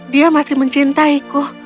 dia masih mencintaiku